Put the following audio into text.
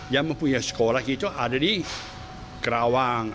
yang mempunyai sekolah itu ada di kerawang